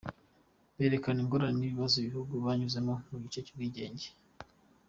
Birerekana ingorane n’ibibazo ibi bihugu byanyuzemo mu gihe cy’ubwigenge.